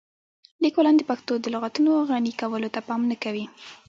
لیکوالان د پښتو د لغتونو غني کولو ته پام نه کوي.